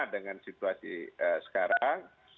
dengan situasi sekarang